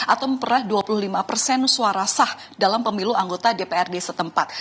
atau memperah dua puluh lima persen suara sah dalam pemilu anggota dprd setempat